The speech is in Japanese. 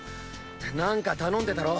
何か頼んでたろ？